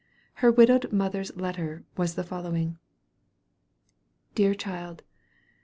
Her widowed mother's letter was the following: "MY DEAR CHILD.